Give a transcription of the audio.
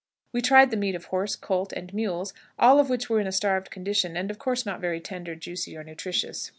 We tried the meat of horse, colt, and mules, all of which were in a starved condition, and of course not very tender, juicy, or nutritious.